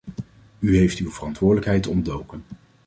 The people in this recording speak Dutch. U heeft uw verantwoordelijkheid ontdoken.